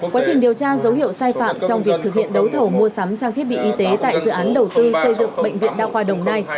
quá trình điều tra dấu hiệu sai phạm trong việc thực hiện đấu thầu mua sắm trang thiết bị y tế tại dự án đầu tư xây dựng bệnh viện đa khoa đồng nai